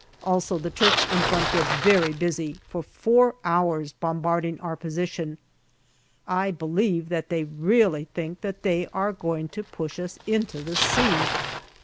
Also the Turks in front get very busy, for four hours bombarding our position. I believe that they really think that they are going to push us into the sea.